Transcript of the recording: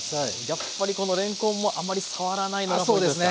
やっぱりこのれんこんもあまり触らないのがポイントですか。